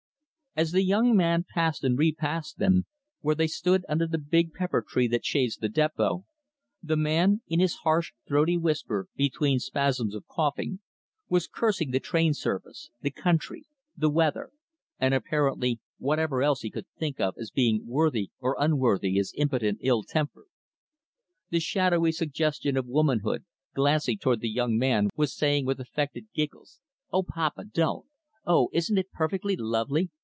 As the young man passed and repassed them, where they stood under the big pepper tree that shades the depot, the man in his harsh, throaty whisper, between spasms of coughing was cursing the train service, the country, the weather; and, apparently, whatever else he could think of as being worthy or unworthy his impotent ill temper. The shadowy suggestion of womanhood glancing toward the young man was saying, with affected giggles, "O papa, don't! Oh isn't it perfectly lovely!